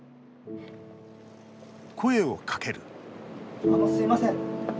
声をかけるすみません。